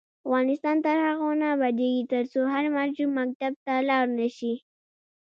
افغانستان تر هغو نه ابادیږي، ترڅو هر ماشوم مکتب ته لاړ نشي.